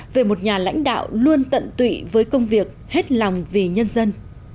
về một nhà lãnh đạo luôn tận tụy với công việc hết lòng vì nhân dân